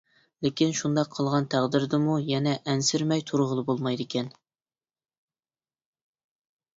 لېكىن، شۇنداق قىلغان تەقدىردىمۇ يەنە ئەنسىرىمەي تۇرغىلى بولمايدىكەن.